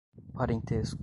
parentesco